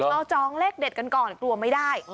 เราจองเลขเด็ดกันก่อนกลัวไม่ได้